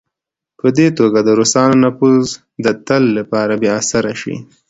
په دې توګه د روسانو نفوذ د تل لپاره بې اثره شي.